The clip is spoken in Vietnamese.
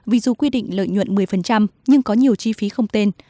vì dù quy định lợi nhuận một mươi nhưng có nhiều chi phí không tên